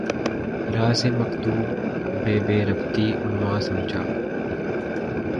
رازِ مکتوب بہ بے ربطیٴ عنواں سمجھا